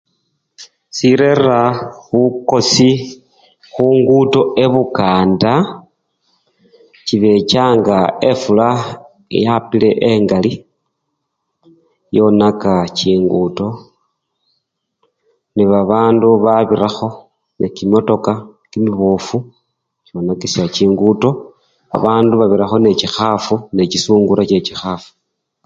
Sirera bukosi khungudo ebukanda chibechanga efula nga yapile engali yonaka chingudo nebabandu babirakho nekimotoka kimibofu nekyonakisya chingudo, babandu babirakho nechikhafu nechisungura chechi khafu.